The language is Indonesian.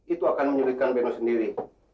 itu akan menyulitkan beno sendiri